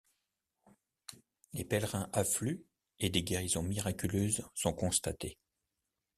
Les pèlerins affluent et des guérisons miraculeuses sont constatées.